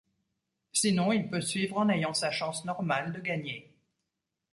Sinon, il peut suivre en ayant sa chance normale de gagner.